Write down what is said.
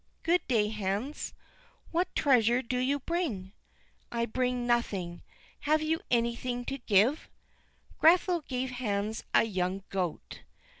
"Good day, Hans. What treasure do you bring?" "I bring nothing. Have you anything to give?" Grethel gave Hans a young goat.